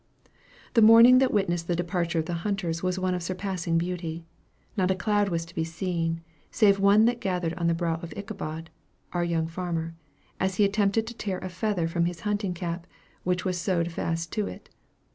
The morning that witnessed the departure of the hunters was one of surpassing beauty. Not a cloud was to be seen, save one that gathered on the brow of Ichabod (our young farmer), as he attempted to tear a feather from his hunting cap, which was sewed fast to it.